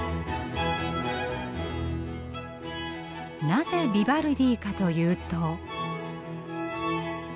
なぜヴィヴァルディかというと。